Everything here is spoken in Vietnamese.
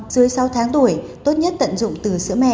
dưới sáu tháng tuổi tốt nhất tận dụng từ sữa mẹ